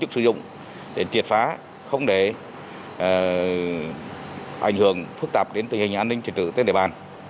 sử dụng để triệt phá không để ảnh hưởng phức tạp đến tình hình an ninh trật tự trên địa bàn